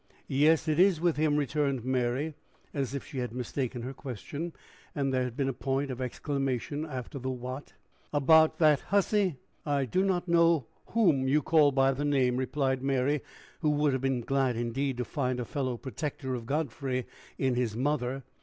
"Yes; it is with him," returned Mary, as if she had mistaken her question, and there had been a point of exclamation after the What. "About that hussy?" "I do not know whom you call by the name," replied Mary, who would have been glad indeed to find a fellow protector of Godfrey in his mother.